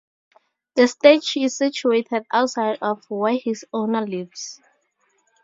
The statue is situated outside of where his owner lives.